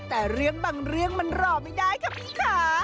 แต่เรื่องบางเรื่องมันรอไม่ได้ค่ะพี่ค่ะ